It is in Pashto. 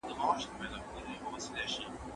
حضرت عایشه رضي الله عنها د علم ستره سرچینه وه.